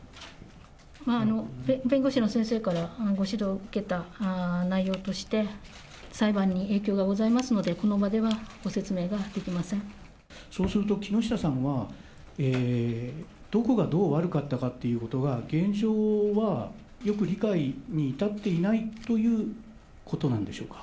弁護士の先生からご指導受けた内容として、裁判に影響がございますので、そうすると、木下さんは、どこがどう悪かったかっていうことが、現状は、よく理解に至っていないということなんでしょうか。